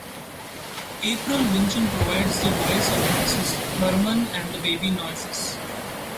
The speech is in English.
April Winchell provides the voice of Mrs. Herman and the "baby noises".